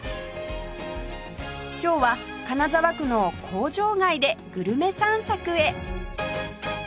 今日は金沢区の工場街でグルメ散策へ